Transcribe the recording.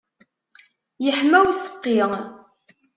Yeḥma useqqi.